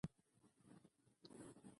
زده کړه د نجونو د خبرو اترو سلیقه ښه کوي.